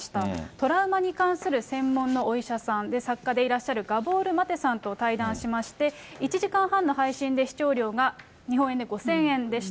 トラウマに関する専門のお医者さんで、作家でいらっしゃる、ガボール・マテさんと対談しまして、１時間半の配信で、視聴料が日本円で５０００円でした。